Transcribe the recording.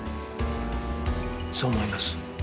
そう思います。